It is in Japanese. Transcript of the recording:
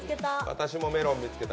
私もメロン見つけた！